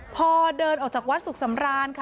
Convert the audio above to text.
พอเดินออกจากวัดสุขสำรานค่ะ